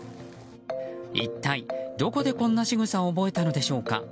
一体どこで、こんなしぐさを覚えたのでしょうか。